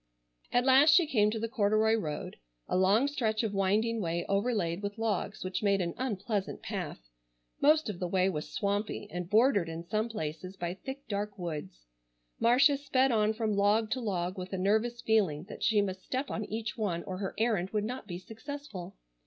At last she came to the corduroy road—a long stretch of winding way overlaid with logs which made an unpleasant path. Most of the way was swampy, and bordered in some places by thick, dark woods. Marcia sped on from log to log, with a nervous feeling that she must step on each one or her errand would not be successful.